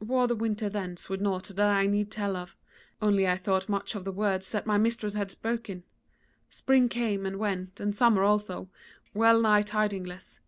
"Wore the winter thence with naught that I need tell of, only I thought much of the words that my mistress had spoken. Spring came and went, and summer also, well nigh tidingless.